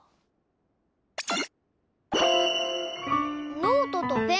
ノートとペン？